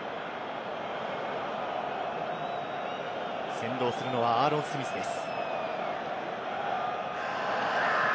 先導するのはアーロン・スミスです。